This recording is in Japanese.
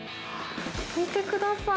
見てください。